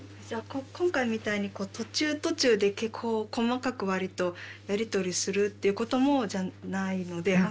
じゃあ今回みたいに途中途中でこう細かくわりとやり取りするっていうこともないので。